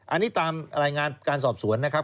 อันนี้ตามรายงานการสอบสวนนะครับ